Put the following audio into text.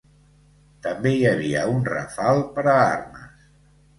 També hi havia un rafal per a armes.